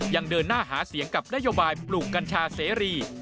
ยังเดินหน้าหาเสียงกับนโยบายปลูกกัญชาเสรี